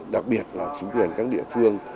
đặc biệt là chính quyền các địa phương